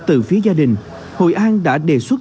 từ phía gia đình hội an đã đề xuất